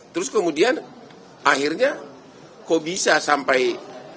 terus kemudian akhirnya kok bisa sampai